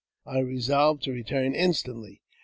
I resolved to return instantly.